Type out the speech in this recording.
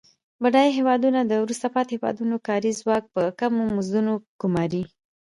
بډایه هیوادونه د وروسته پاتې هېوادونو کاري ځواک په کمو مزدونو ګوماري.